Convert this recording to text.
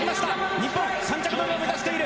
日本、３着目を目指している。